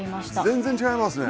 全然違いますね！